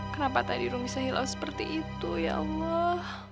kenapa tadi rom bisa hilang seperti itu ya allah